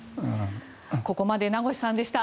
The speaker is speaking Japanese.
ここまで名越さんでした。